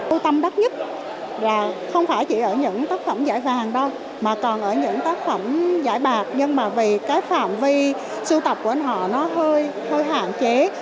tôi tâm đắc nhất là không chỉ ở những tác phẩm giải vàng đâu mà còn ở những tác phẩm giải bạc nhưng mà vì cái phạm vi sưu tập của anh họ nó hơi hạn chế nhưng mà cái tính độc đáo của họ thì cũng rất là lớn